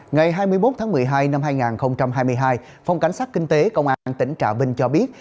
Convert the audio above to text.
ngày hai mươi một tháng một mươi hai năm hai nghìn hai mươi hai phòng cảnh sát kinh tế công an tỉnh trà vinh cho biết